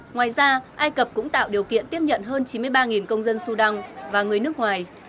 ngoài ra ai cập cũng tạo điều kiện tiếp nhận hơn chín mươi ba công dân sudan và người nước ngoài